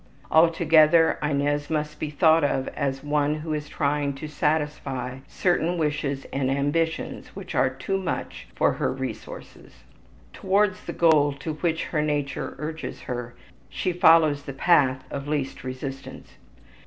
Altogether, Inez must be thought of as one who is trying to satisfy certain wishes and ambitions which are too much for her resources. Towards the goal to which her nature urges her she follows the path of least resistance.